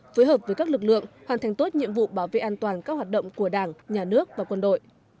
phối hợp với các lực lượng hoàn thành tốt nhiệm vụ bảo vệ an toàn các hoạt động của đảng nhà nước và quân đội